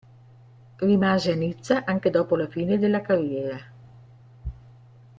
Rimase a Nizza anche dopo la fine della carriera.